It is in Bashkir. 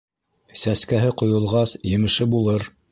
Сәскәһе ҡойолғас, емеше булыр.